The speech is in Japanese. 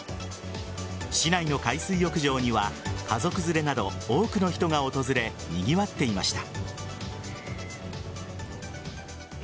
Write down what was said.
市内の海水浴場には家族連れなど多くの人が訪れにぎわっていました。